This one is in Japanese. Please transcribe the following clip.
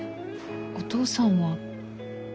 お父さんは。